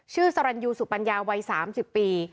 สรรยูสุปัญญาวัย๓๐ปี